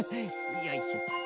よいしょと。